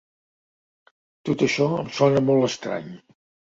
Tot això em sona molt estrany.